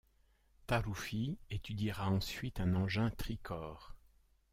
Taruffi étudiera ensuite un engin tri-corps.